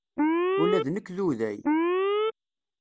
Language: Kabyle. Ula d nekk d uday.